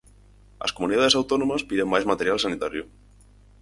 As comunidades autónomas piden máis material sanitario.